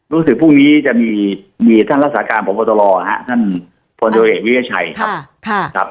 รู้สึกพรุ่งนี้จะมีท่านรัฐศาสตร์การประโยชน์ประโยชน์พลตวิเยอร์ชัยครับ